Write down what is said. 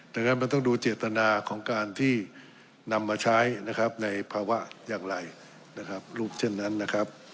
ดังนั้นมันต้องดูเจตนาของการที่นำมาใช้นะครับในภาวะอย่างไรนะครับรูปเช่นนั้นนะครับ